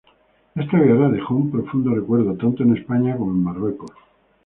Esta guerra dejó un profundo recuerdo tanto en España como en Marruecos.